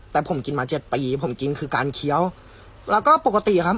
แต่ผมกินมาเจ็ดปีผมกินคือการเคี้ยวแล้วก็ปกติครับ